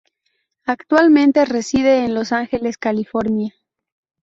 Actualmente reside en Los Angeles, California.